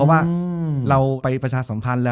จบการโรงแรมจบการโรงแรม